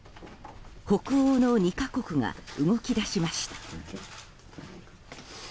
北欧の２か国が動き出しました。